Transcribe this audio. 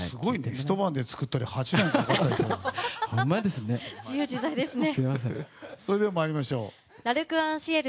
ひと晩で作ったり８年かかったりして。